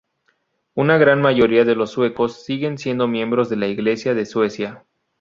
Una gran mayoría de los suecos siguen siendo miembros de la Iglesia de Suecia.